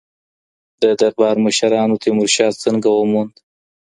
د دربار مشرانو تیمور شاه څنګه وموند؟